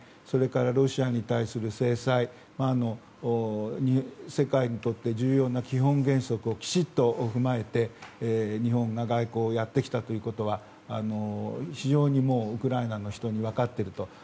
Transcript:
それからロシアに対する制裁世界にとって重要な基本原則をきちっと踏まえて日本が外交をやってきたことは非常にウクライナの人も分かっていると。